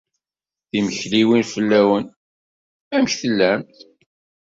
Timekliwin fell-awen. Amek tellamt?